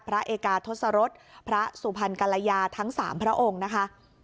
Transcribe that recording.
พระเอกาทศรษพระสุพรรณกรยาทั้ง๓พระองค์นะคะ